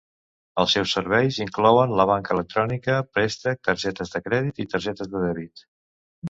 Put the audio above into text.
Els seus serveis inclouen la banca electrònica, préstecs, targetes de crèdit i targetes de dèbit.